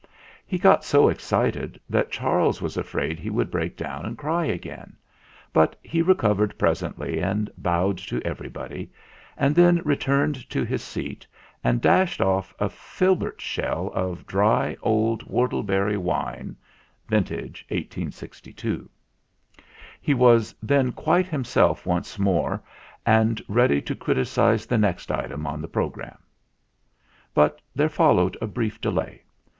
He got so 126 THE FLINT HEART excited that Charles was afraid he would break down and cry again ; but he recovered presently and bowed to everybody, and then returned to his seat and dashed off a filbert shell of dry old wortleberry wine (vintage 1862). He was then quite himself once more and ready to criticise the next item on the programme. But there followed a brief delay.